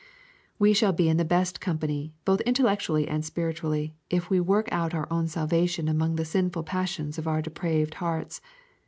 We shall be in the best company, both intellectually and spiritually, if we work out our own salvation among the sinful passions of our depraved hearts.